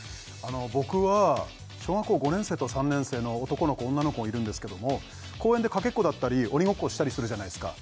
僕は小学校５年生と３年生の男の子女の子がいるんですけども公園でかけっこだったり鬼ごっこをしたりするじゃないですか